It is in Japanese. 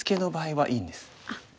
はい。